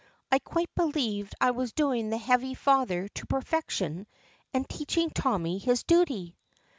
I quite believed I was doing the heavy father to perfection and teaching Tommy his duty."